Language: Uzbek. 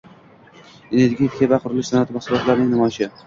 Energetika va qurilish sanoati mahsulotlari namoyishing